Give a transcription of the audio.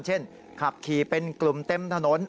เช่นขับขี่เป็นกลุ่มเต็มถนน